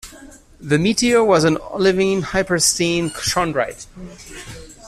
The meteor was an olivine-hypersthene chondrite.